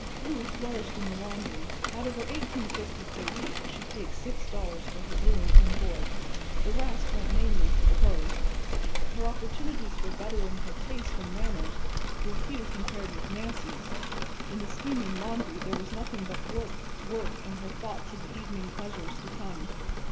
Lou flourished in the laundry. Out of her $18.50 per week she paid $6. for her room and board. The rest went mainly for clothes. Her opportunities for bettering her taste and manners were few compared with Nancy's. In the steaming laundry there was nothing but work, work and her thoughts of the evening pleasures to come.